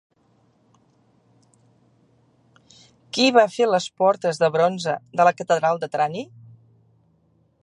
Qui va fer les portes de bronze de la catedral de Trani?